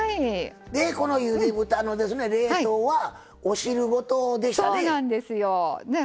ゆで豚の冷凍はお汁ごとでしたね。